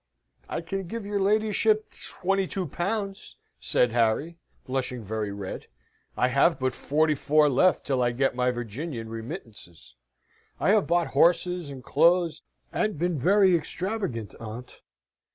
"I can give your ladyship twenty two pounds," said Harry, blushing very red: "I have but forty four left till I get my Virginian remittances. I have bought horses and clothes, and been very extravagant, aunt."